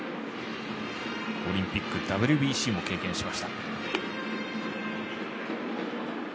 オリンピック、ＷＢＣも経験しました。